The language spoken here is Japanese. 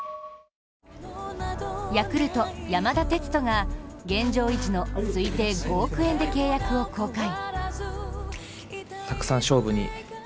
ヤクルト・山田哲人が、現状維持の推定５億円で契約を更改。